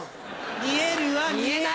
見えるわ見える！